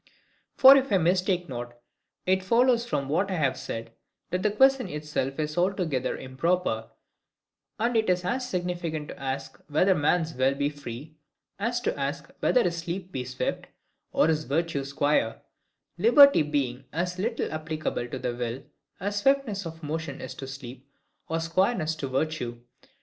For if I mistake not, it follows from what I have said, that the question itself is altogether improper; and it is as insignificant to ask whether man's WILL be free, as to ask whether his sleep be swift, or his virtue square: liberty being as little applicable to the will, as swiftness of motion is to sleep, or squareness to virtue.